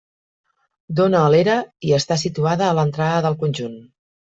Dóna a l'era i està situada a l'entrada del conjunt.